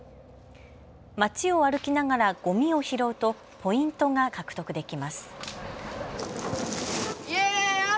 街を歩きながらごみを拾うとポイントが獲得できます。